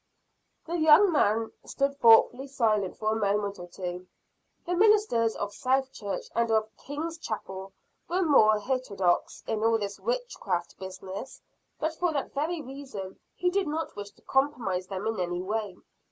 The young man stood thoughtfully silent for a moment or two. The ministers of South Church and of King's chapel were more heterodox in all this witchcraft business; but for that very reason he did not wish to compromise them in any way.